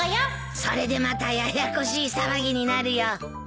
それでまたややこしい騒ぎになるよ。